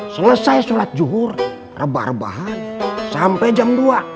selesai sholat juhur rebah rebahan sampai jam dua